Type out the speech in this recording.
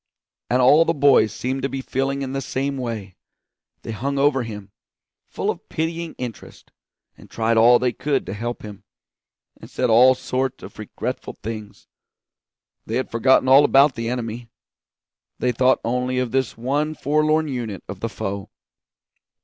And all the boys seemed to be feeling in the same way; they hung over him, full of pitying interest, and tried all they could to help him, and said all sorts of regretful things. They had forgotten all about the enemy; they thought only of this one forlorn unit of the foe.